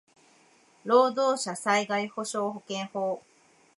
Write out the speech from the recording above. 労働者災害補償保険法